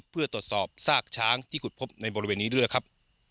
เพื่อตรวจสอบซากช้างที่ขุดพบในบริเวณนี้ด้วยครับ